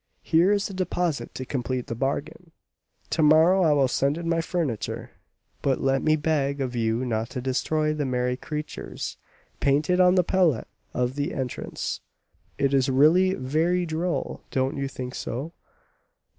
Here is a deposit to complete the bargain. To morrow I will send in my furniture; but let me beg of you not to destroy the merry creatures painted on the palette at the entrance. It is really very droll! Don't you think so?"